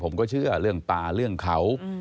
ผมก็เชื่อเรื่องป่าเรื่องเขา